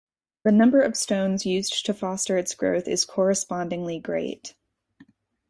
The number of stones used to foster its growth is correspondingly great.